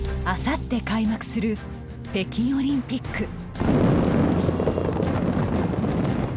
あさって開幕する北京オリンピック。